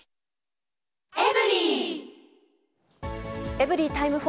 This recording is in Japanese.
エブリィタイム４。